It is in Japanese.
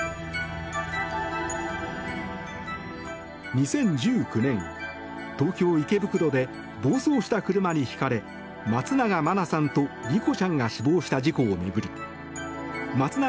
２０１９年、東京・池袋で暴走した車にひかれ松永真菜さんと莉子ちゃんが死亡した事故を巡り松永